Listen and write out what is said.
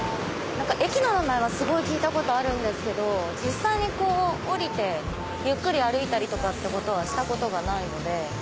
駅の名前はすごい聞いたことあるんですけど実際に降りてゆっくり歩いたりしたことがないので。